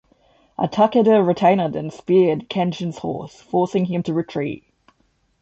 A Takeda retainer then speared Kenshin's horse, forcing him to retreat.